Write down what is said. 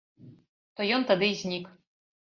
То ён тады і знік.